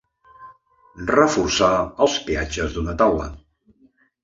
Reforçar els petges d'una taula.